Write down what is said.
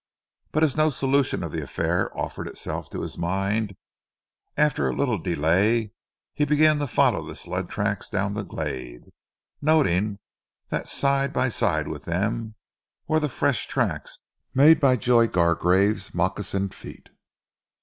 But as no solution of the affair offered itself to his mind, after a little delay he began to follow the sled tracks down the glade, noting that side by side with them, were the fresh tracks made by Joy Gargrave's moccasined feet.